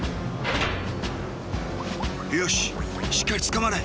よししっかりつかまれ！